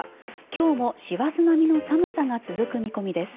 今日も師走並みの寒さが続く見込みです。